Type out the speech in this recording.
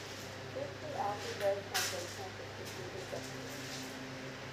This the algebraic translation of the preceding definition.